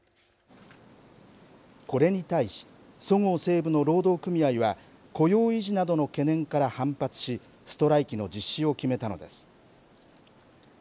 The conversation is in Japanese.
これに対しそごう・西武の労働組合は雇用維持などの懸念から反発しストライキの実施を決めたのです。